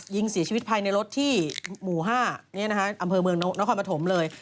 ยิงเสียชีวิตภายในรถที่หมู่๕อำเภอเมืองนครปฐมเลย